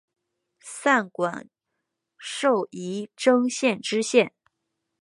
散馆授仪征县知县。